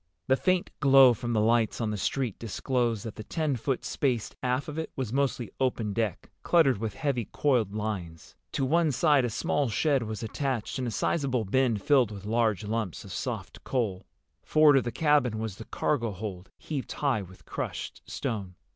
The faint glow from the lights on the street disclosed that the ten foot space aft of it was mostly open deck, cluttered with heavy coiled lines. To one side a small shed was attached and a sizable bin filled with large lumps of soft coal. Forward of the cabin was the cargo hold, heaped high with crushed stone.